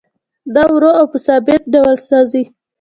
دا ورو او په ثابت ډول سوځي